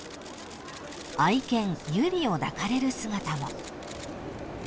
［愛犬由莉を抱かれる姿も］